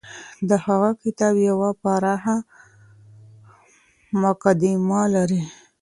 د هغه کتاب يوه پراخه مقدمه لري.